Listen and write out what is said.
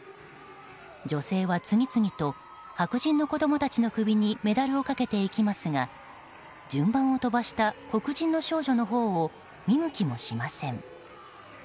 女性は、次々と白人の子供たちの首にメダルをかけていきますが順番を飛ばした黒人の少女のほうを見向きもしません。